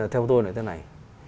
theo tôi là thế này